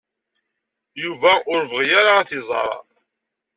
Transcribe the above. Yuba ur yebɣi ara ad t-iẓer.